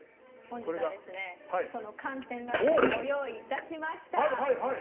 本日はその寒天ラーメンご用意いたしました。